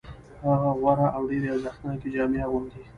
هغه غوره او ډېرې ارزښتناکې جامې اغوندي